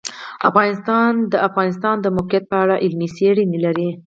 افغانستان د د افغانستان د موقعیت په اړه علمي څېړنې لري.